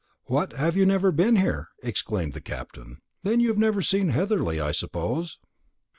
"What, have you never been here?" exclaimed the Captain; "then you have never seen Heatherly, I suppose?"